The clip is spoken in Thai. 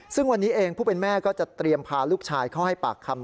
ซึ่งวันนี้เองผู้เป็นแม่ก็จะเตรียมพาลูกชายเข้าให้ปากคำ